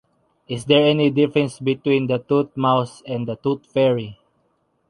Is there any difference between the tooth mouse and the tooth fairy?